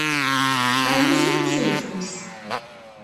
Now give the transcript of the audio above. Aru s ufus ayeffus.